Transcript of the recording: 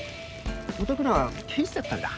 お宅ら刑事だったんだ。